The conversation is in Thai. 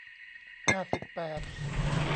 ห้าสิบแปด